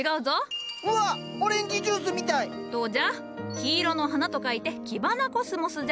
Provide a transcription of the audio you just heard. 黄色の花と書いてキバナコスモスじゃ。